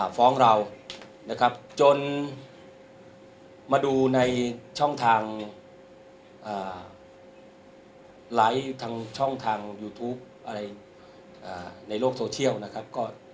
ฟ้องเราจนมาดูในช่องทางไลค์ช่องทางยูทูปในโลกโทเชียลนะครับ